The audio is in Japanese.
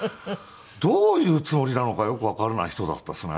どういうつもりなのかよくわからない人だったですね。